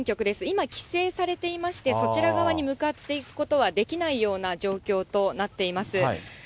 今、規制されていまして、そちら側に向かっていくことはできないような状況となっています。